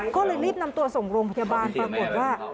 ก็เลยรีบนำตัวส่งโรงพยาบาลปรากฏว่า